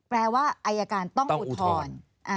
แปลว่าอายการต้องอุทธรณ์